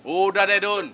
udah deh dun